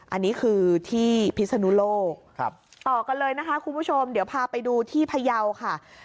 อันนี้คือที่พิษนุโลก